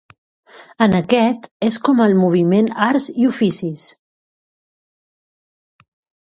En aquest és com el moviment Arts i oficis.